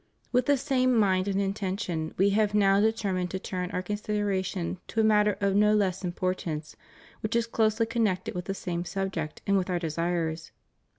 With the same mind and intention We have now deter mined to turn Our consideration to a matter of no less importance, which is closely connected with the same subject and with Our desires.